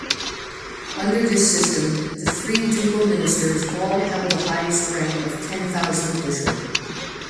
Under this system, the Three Ducal Ministers all held the highest rank of ten-thousand-bushel.